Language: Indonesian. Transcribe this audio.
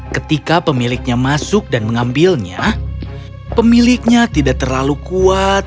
ketika pemiliknya masuk dan mengambilnya pemiliknya tidak terlalu kuat